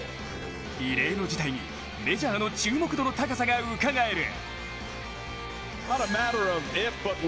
異例の事態にメジャーの注目度の高さがうかがえる。